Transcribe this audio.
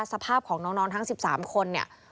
สภาพของน้องทั้ง๑๓คนเนี่ย